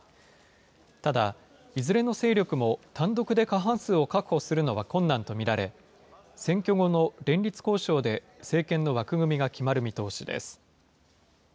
ただ、いずれの勢力も単独で過半数を確保するのは困難と見られ、選挙後の連立交渉で政権の枠組みが決まる見通しです。